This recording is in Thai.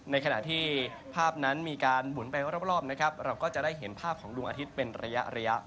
ในขณะที่ภาพนั้นมีการหมุนไปรอบนะครับเราก็จะได้เห็นภาพของดวงอาทิตย์เป็นระยะ